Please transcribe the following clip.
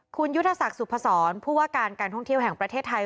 คุณยุทธศักดิ์สุพศรผู้ว่าการการท่องเที่ยวแห่งประเทศไทย